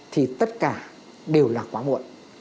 thì tất cả đều là quá muộn